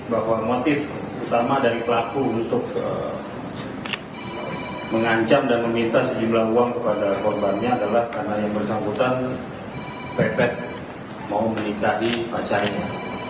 bahwa motif utama dari pelaku untuk mengancam dan meminta sejumlah uang kepada korbannya adalah karena yang bersangkutan pepet mau menikahi pasien ini